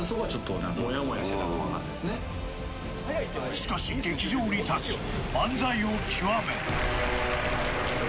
しかし劇場に立ち、漫才を極め。